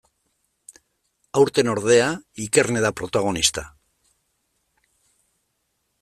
Aurten, ordea, Ikerne da protagonista.